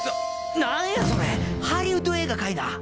なんやそれハリウッド映画かいな！